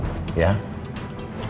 ini masih atas nama bapak aku